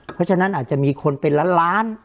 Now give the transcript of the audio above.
เพราะฉะนั้นอาจจะมีคนเป็นล้านล้าน